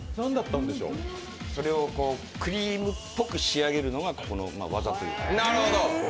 クリームっぽく仕上げるのがこの技というか。